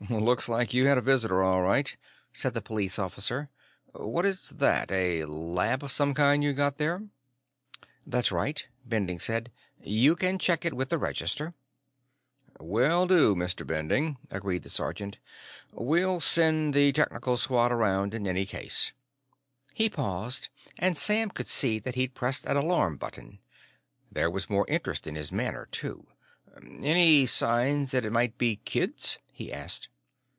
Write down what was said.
"Looks like you had a visitor, all right," said the police officer. "What is that? A lab of some kind you've got there?" "That's right," Bending said. "You can check it with the Register." "Will do, Mr. Bending," agreed the sergeant. "We'll send the Technical Squad around in any case." He paused, and Sam could see that he'd pressed an alarm button. There was more interest in his manner, too. "Any signs that it might be kids?" he asked.